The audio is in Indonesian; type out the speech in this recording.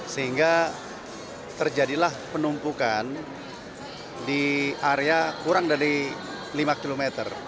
sehingga terjadilah penumpukan di area kurang dari lima km